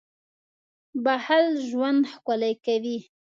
• بښل ژوند ښکلی کوي.